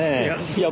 いや。